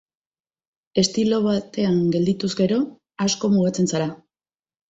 Estilo batean geldituz gero, asko mugatzen zara.